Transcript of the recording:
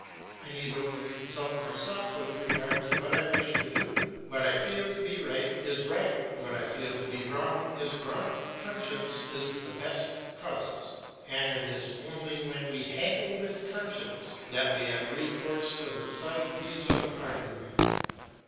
I need only consult myself with regard to what I wish to do; what I feel to be right is right, what I feel to be wrong is wrong; conscience is the best casuist; and it is only when we haggle with conscience that we have recourse to the subtleties of argument.